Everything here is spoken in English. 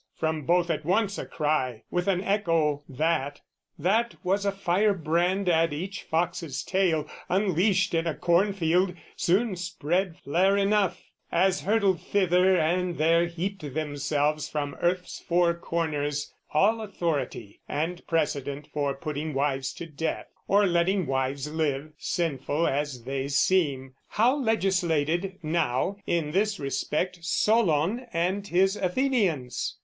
From both at once a cry with an echo, that! That was a firebrand at each fox's tail Unleashed in a cornfield: soon spread flare enough, As hurtled thither and there heaped themselves From earth's four corners, all authority And precedent for putting wives to death, Or letting wives live, sinful as they seem. How legislated, now, in this respect, Solon and his Athenians?